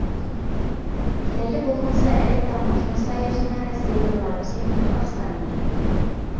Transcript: Билдәле булыуынса, әле Таможня союзына Рәсәй, Белоруссия һәм Ҡаҙағстан инә.